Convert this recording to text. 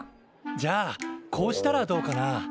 じゃあこうしたらどうかな。